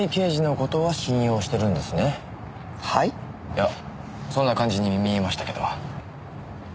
いやそんな感じに見えましたけど。